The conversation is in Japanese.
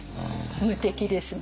無敵ですね。